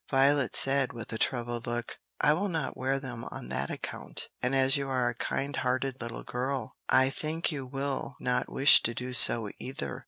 Violet said with a troubled look. "I will not wear them on that account, and as you are a kind hearted little girl, I think you will not wish to do so either."